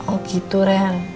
oh gitu ren